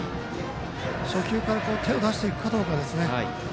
初球から手を出していくかどうかですね。